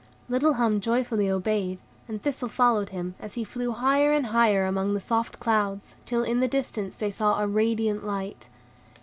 Little Hum joyfully obeyed; and Thistle followed him, as he flew higher and higher among the soft clouds, till in the distance they saw a radiant light.